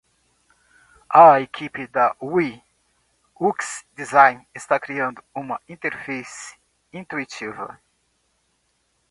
A equipe de UI/UX Design está criando uma interface intuitiva.